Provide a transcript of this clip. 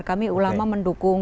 kami ulama mendukung